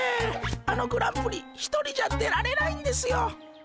あのグランプリ一人じゃ出られないんですよ。